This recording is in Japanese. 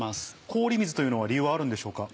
氷水というのは理由はあるんでしょうか？